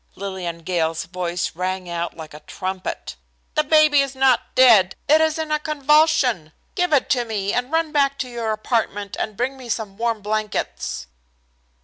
Lillian Gale's voice rang out like a trumpet. "The baby is not dead. It is in a convulsion. Give it to me and run back to your apartment and bring me some warm blankets."